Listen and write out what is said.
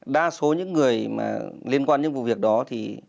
đa số những người mà liên quan những vụ việc đó thì